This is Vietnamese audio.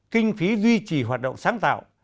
kinh phí duy trì hoạt động sáng tạo